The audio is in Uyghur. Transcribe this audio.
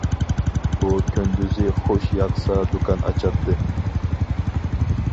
ئۇ كۈندۈزى خۇش ياقسا دۇكان ئاچاتتى.